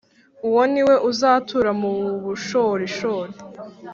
Uwo ni we uzatura mu bushorishori,